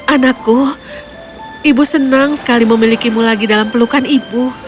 anakku ibu senang sekali memilikimu lagi dalam pelukan ibu